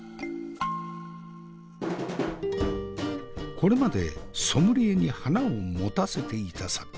これまでソムリエに花を持たせていた作家。